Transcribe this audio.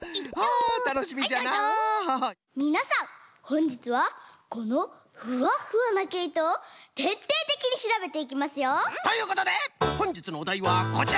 みなさんほんじつはこのふわっふわなけいとをてっていてきにしらべていきますよ！ということでほんじつのおだいはこちら！